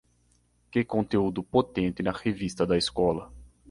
Que conteúdo potente na revista da escola!